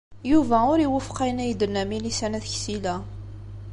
Yuba ur iwufeq ayen ay d-tenna Milisa n At Ksila.